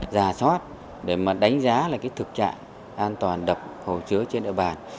giả soát để đánh giá thực trạng an toàn đập hồ chứa trên địa bàn